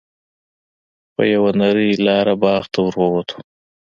په یوه نرۍ لاره باغ ته ور ووتو.